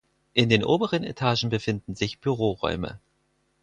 In den oberen Etagen befinden sich Büroräume.